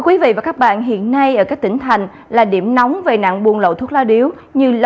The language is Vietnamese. quý vị và các bạn đang theo dõi chương trình